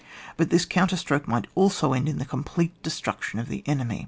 but this counterstroke might also end in the complete destruction of the enemy.